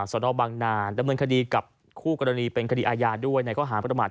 สนบังนาดำเนินคดีกับคู่กรณีเป็นคดีอาญาด้วยในข้อหาประมาท